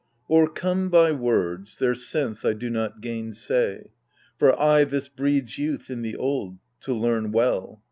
O'ercome by words, their sense I do not gainsay. For, aye this breeds youth in the old —" to learn well.